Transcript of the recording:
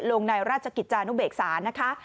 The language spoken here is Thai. ลงในราชกิจจานุเบกษานะคะ